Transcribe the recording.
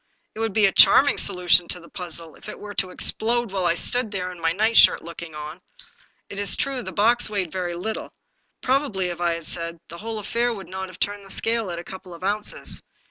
It would be a charming solution to the puzzle 248 The Puzzle if it were to explode while I stood there, in my night shirt, looking on. It is true that the box weighed very little. Probably, as I have said, the whole affair would not have turned the scale at a couple of ounces.